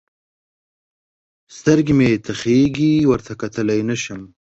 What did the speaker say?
سترګې مې تخېږي؛ ورته کتلای نه سم.